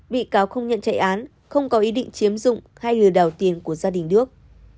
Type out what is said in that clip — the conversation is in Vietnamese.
bị cáo không nhận chạy án không có ý định chiếm dụng hay lừa đảo tiền của gia đình đức